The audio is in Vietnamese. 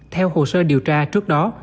theo hồ sơ điều tra trước đó